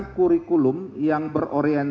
kelebihan astra tech lebih mudah membangun jaringan